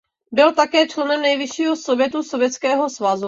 Byl také členem Nejvyššího sovětu Sovětského svazu.